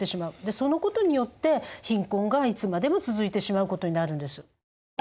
そのことによって貧困がいつまでも続いてしまうことになるんです。